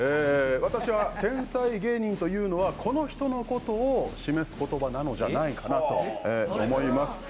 私は天才芸人というのはこの人のことを示すのではないかなと思います。